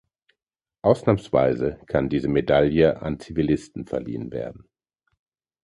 Ausnahmsweise kann diese Medaille an Zivilisten verliehen werden.